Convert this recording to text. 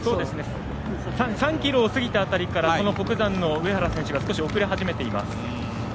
３ｋｍを過ぎた辺りから北山の上原選手が少し遅れ始めています。